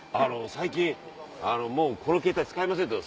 最近もうこのケータイ使えませんと３Ｇで。